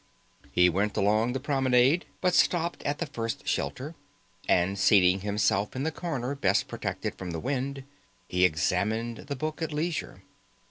He went along the promenade, but stopped at the first shelter, and seating himself in the corner best protected from the wind, he examined the book at leisure.